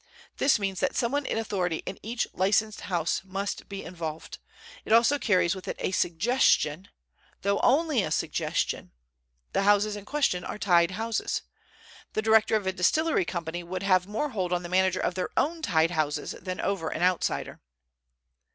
This means that someone in authority in each licensed house must be involved. It also carries with it a suggestion, though only a suggestion, the houses in question are tied houses. The director of a distillery company would have more hold on the manager of their own tied houses than over an outsider."